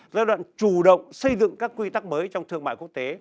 giai đoạn chủ động xây dựng các quy tắc mới trong thương mại quốc tế